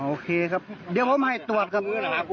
โอเคครับเดี๋ยวผมให้ตรวจครับ